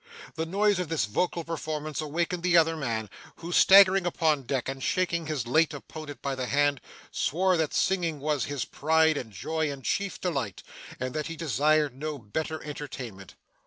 The noise of this vocal performance awakened the other man, who, staggering upon deck and shaking his late opponent by the hand, swore that singing was his pride and joy and chief delight, and that he desired no better entertainment.